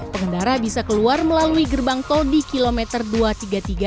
pengendara bisa keluar melalui gerbang tol di km dua ratus tiga puluh tiga menuju kota cirebon